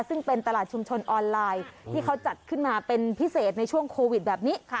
ซึ่งเป็นตลาดชุมชนออนไลน์ที่เขาจัดขึ้นมาเป็นพิเศษในช่วงโควิดแบบนี้